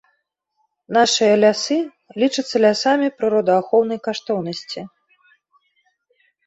Нашыя лясы лічацца лясамі прыродаахоўнай каштоўнасці.